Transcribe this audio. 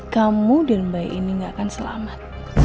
kamu dan bayi ini gak akan selamat